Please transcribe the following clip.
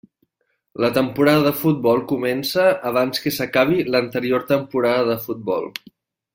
La temporada de futbol comença abans que s'acabi l'anterior temporada de futbol.